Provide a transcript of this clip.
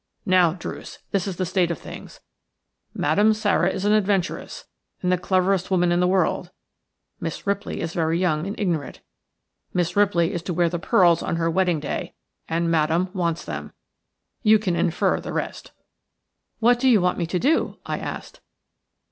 Now, Druce, this is the state of things: Madame Sara is an adventuress, and the cleverest woman in the world – Miss Ripley is very young and ignorant. Miss Ripley is to wear the pearls on her wedding day – and Madame wants them. You can infer the rest." "What do you want me to do?" I asked.